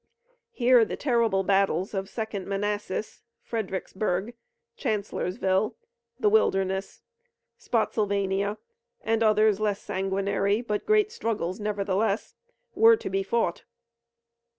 Here, the terrible battles of the Second Manassas, Fredericksburg, Chancellorsville, the Wilderness, Spottsylvania, and others less sanguinary, but great struggles, nevertheless, were to be fought.